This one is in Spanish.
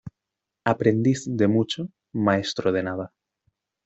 Aprendiz de mucho, maestro de nada.